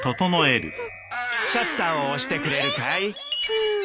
シャッターを押してくれるかい？